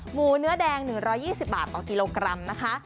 หมูเนื้อแดง๑๒๐บาทต่อกิโลกรัมนะคะ